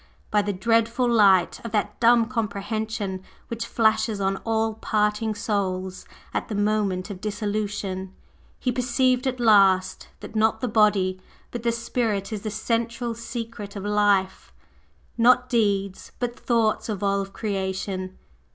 By the dreadful light of that dumb comprehension which flashes on all parting souls at the moment of dissolution, he perceived at last that not the Body but the Spirit is the central secret of life, not deeds, but thoughts evolve creation.